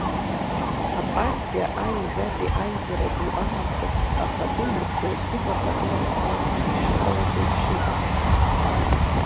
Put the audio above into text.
Апартиа аҩажәатәи аизара ду аахыс ахатәы инициатива пату ақәны ишыҟалаз еиԥш иҟамызт.